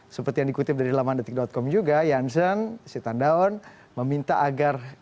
seperti yang dikutip dari delaman detik com juga janssen sitan daon meminta agar